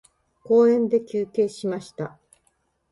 公園で休憩しました。